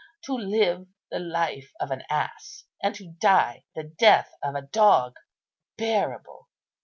to live the life of an ass, and to die the death of a dog! Bearable!